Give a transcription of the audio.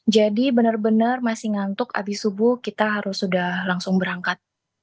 jadi benar benar masih ngantuk abis subuh kita harus sudah langsung berangkat